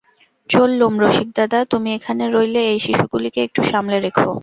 চললুম রসিকদাদা– তুমি এখানে রইলে, এই শিশুগুলিকে একটু সামলে রেখো।